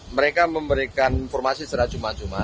mereka memberikan informasi secara cuma cuma